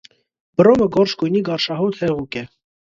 Բրոմը գորշ գույնի գարշահոտ հեղուկ է։